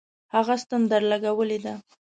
هغه ستن درلگولې ده.